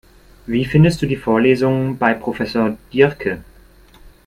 Wie findest du die Vorlesungen bei Professor Diercke?